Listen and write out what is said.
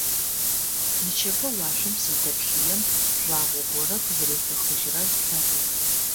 Нычэпэ уашъом сыздэппъыем, жъуагъо горэ къызэрефэхыжьырэр слъэгъугъ.